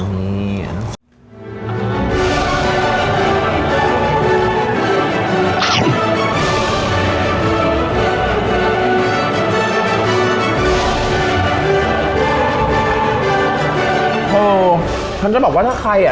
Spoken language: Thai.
ฉันจะบอกว่าถ้าใครอ่ะ